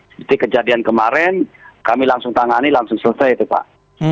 seperti kejadian kemarin kami langsung tangani langsung selesai itu pak